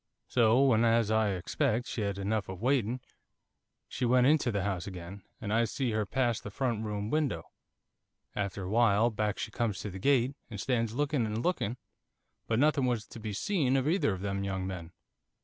So when, as I expect, she'd had enough of waiting, she went into the house again, and I see her pass the front room window. After a while, back she comes to the gate, and stands looking and looking, but nothing was to be seen of either of them young men.